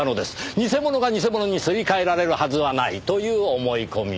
偽物が偽物にすり替えられるはずはないという思い込み。